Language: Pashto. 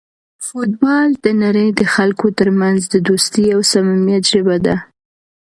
فوټبال د نړۍ د خلکو ترمنځ د دوستۍ او صمیمیت ژبه ده.